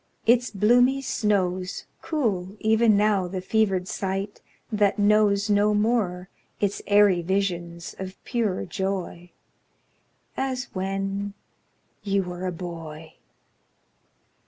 Its bloomy snows Cool even now the fevered sight that knows No more its airy visions of pure joy As when you were a boy.